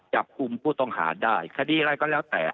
จับกลุ่มผู้ต้องหาได้คดีอะไรก็แล้วแต่